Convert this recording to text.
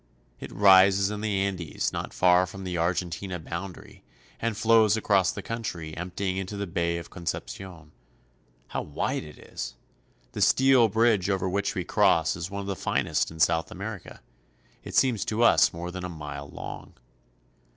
It rises in the Andes, not far from the Argentina boundary, and Bridge over the Biobio. flows across the country, emptying into the Bay of Con cepcion. How wide it is! The steel bridge over which we cross is one of the finest in South America; it seems to us more than a mile long.